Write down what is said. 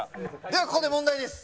ではここで問題です。